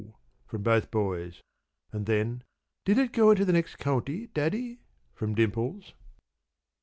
from both boys, and then: "Did it go into the next county, Daddy?" from Dimples.